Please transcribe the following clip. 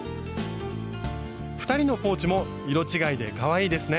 ２人のポーチも色違いでかわいいですね！